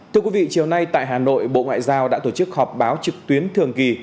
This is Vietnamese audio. thưa quý vị chiều nay tại hà nội bộ ngoại giao đã tổ chức họp báo trực tuyến thường kỳ